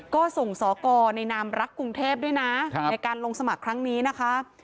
ก็ส่งสอกรในนามรักกรุงเทพด้วยนะในการลงสมัครครั้งนี้นะคะ